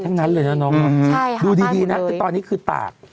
ทั้งนั้นเลยนะน้องดูดีนะตอนนี้คือตาก